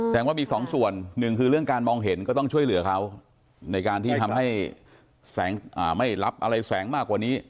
แสดงว่ามีสองส่วนหนึ่งคือเรื่องการมองเห็นก็ต้องช่วยเหลือเขาในการที่ทำให้แสงไม่รับอะไรแสงมากกว่านี้